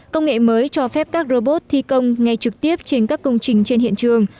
công nghệ mới cho phép các robot thi công ngay trực tiếp trên các công trình trên hiện trường